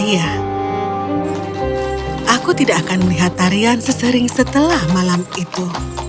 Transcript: ya aku tidak akan melihat tarian sesering setelah malam itu